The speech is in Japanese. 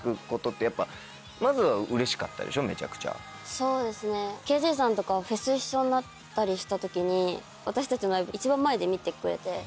そうですねＫｊさんとかはフェス一緒になったりした時に私たちのライブ一番前で見てくれて。